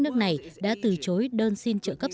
nước này đã từ chối đơn xin trợ cấp